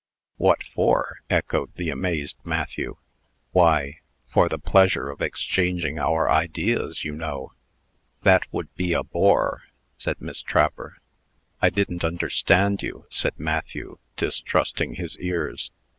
"What for?" echoed the amazed Matthew. "Why for the pleasure of exchanging our ideas, you know." "That would be a bore," said Miss Trapper. "I didn't understand you," said Matthew, distrusting his ears.